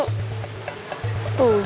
di pasir gitu bisa